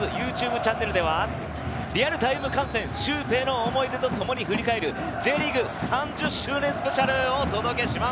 チャンネルでは、「リアルタイム観戦！シュウペイの思い出と共に振り返るＪリーグ３０周年スペシャル」をお届けします。